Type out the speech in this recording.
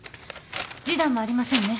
示談もありませんね。